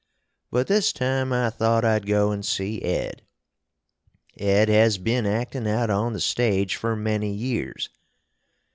But this time I thot I'd go and see Ed. Ed has bin actin out on the stage for many years.